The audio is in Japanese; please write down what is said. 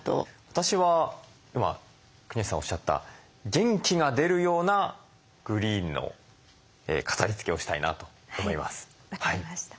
私は今国吉さんおっしゃった元気が出るようなグリーンの飾りつけをしたいなと思います。